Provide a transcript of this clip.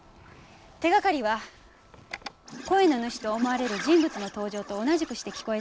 手がかりは声の主と思われる人物の登場と同じくして聞こえてくる。